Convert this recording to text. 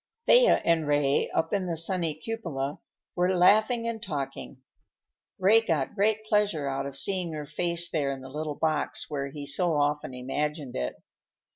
Thea and Ray, up in the sunny cupola, were laughing and talking. Ray got great pleasure out of seeing her face there in the little box where he so often imagined it.